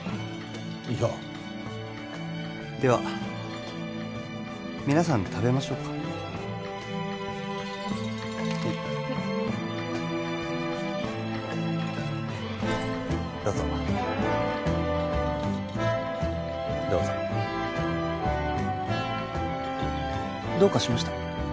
いやでは皆さん食べましょうかはいはいどうぞどうぞどうかしました？